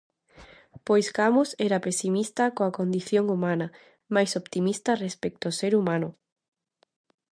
Pois Camus era pesimista coa condición humana, mais optimista respecto ao ser humano.